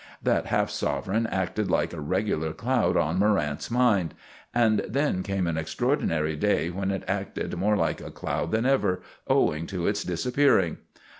That half sovereign acted like a regular cloud on Morrant's mind; and then came an extraordinary day when it acted more like a cloud than ever, owing to its disappearing.